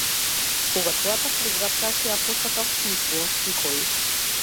Кога твојата прегратка ќе ја посакав, смислував стихови.